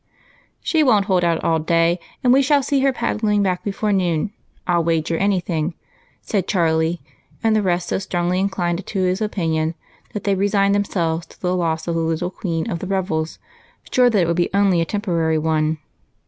" She won't hold out all day, and we shall see her paddling back before noon, I '11 wager any thing," said Charlie ; and the rest so strongly inclined to his opinion that they resigned themselves to the loss of the little queen of the revels, sure that it would be only a temporary one.